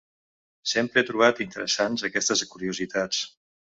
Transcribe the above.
Sempre he trobat interessants aquestes curiositats.